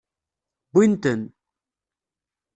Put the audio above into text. Wwin-ten.